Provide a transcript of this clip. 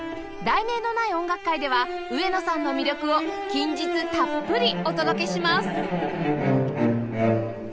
『題名のない音楽会』では上野さんの魅力を近日たっぷりお届けします